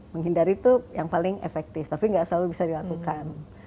menghindari itu yang paling efektif tapi nggak selalu bisa dilakukan